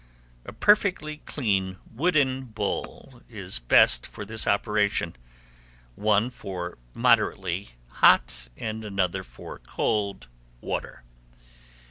A perfectly clean wooden bowl is best for this operation, one for moderately hot and another for cold water.